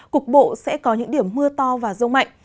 cục bộ sẽ có những điểm mưa to và rông mạnh